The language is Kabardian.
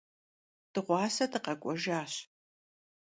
Dığuase dıkhek'uejjaş.